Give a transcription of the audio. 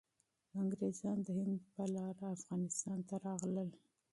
انګریزان د هند په لاره افغانستان ته راغلل.